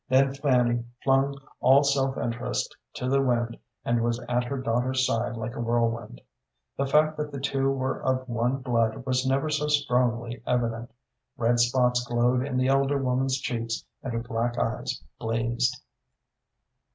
Then Fanny flung all self interest to the wind and was at her daughter's side like a whirlwind. The fact that the two were of one blood was never so strongly evident. Red spots glowed in the elder woman's cheeks and her black eyes blazed.